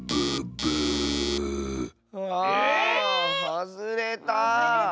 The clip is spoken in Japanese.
はずれた。